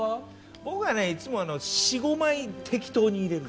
僕はいつも４５枚適当に入れるの。